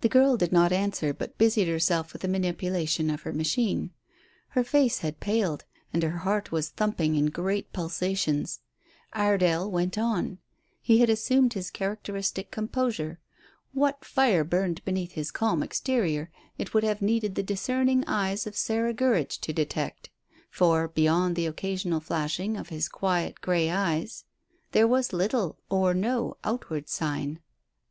The girl did not answer, but busied herself with the manipulation of her machine. Her face had paled, and her heart was thumping in great pulsations. Iredale went on. He had assumed his characteristic composure. What fire burned beneath his calm exterior, it would have needed the discerning eyes of Sarah Gurridge to detect, for, beyond the occasional flashing of his quiet grey eyes, there was little or no outward sign.